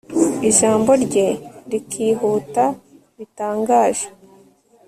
ijambo rye rikihuta bitangaje